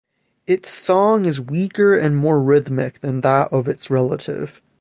Its song is weaker and more rhythmic than that of its relative.